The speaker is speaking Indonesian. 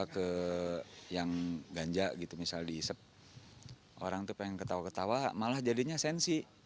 ke yang ganja gitu misalnya di isep orang itu pengen ketawa ketawa malah jadinya sensi